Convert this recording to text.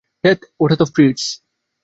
ধ্যাত, ওটা তো ফ্রিটজ।